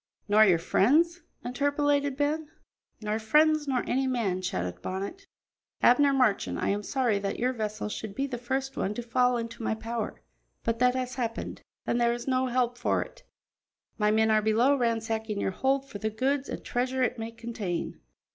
"Nor your friends?" interpolated Ben. "Nor friends nor any man," shouted Bonnet. "Abner Marchand, I am sorry that your vessel should be the first one to fall into my power, but that has happened, and there is no help for it. My men are below ransacking your hold for the goods and treasure it may contain.